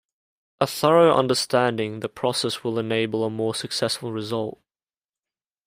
A thorough understanding the process will enable a more successful result.